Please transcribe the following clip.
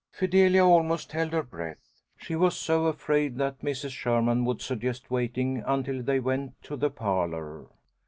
Fidelia almost held her breath. She was so afraid that Mrs. Sherman would suggest waiting until they went to the parlour.